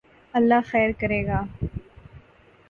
اللہ خیر کرے گا